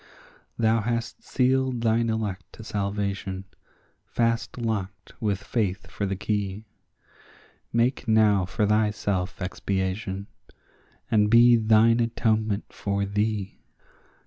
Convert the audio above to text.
Thou hast sealed thine elect to salvation, fast locked with faith for the key; Make now for thyself expiation, and be thine atonement for thee.